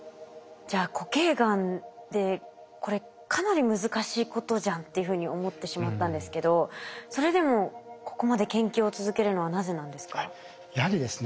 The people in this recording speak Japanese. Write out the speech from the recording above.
じゃあ固形がんってこれかなり難しいことじゃんというふうに思ってしまったんですけどそれでもここまで研究を続けるのはなぜなんですか？